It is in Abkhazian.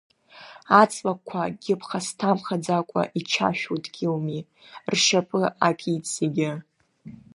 Аҵлақәа акгьы ԥхасҭамхаӡакәа, ичашәу дгьылми, ршьапы акит зегьы!